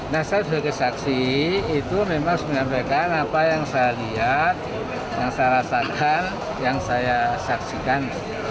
nah saya sebagai saksi itu memang menyampaikan apa yang saya lihat yang saya rasakan yang saya saksikan